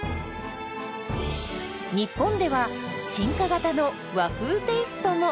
日本では進化型の和風テイストも！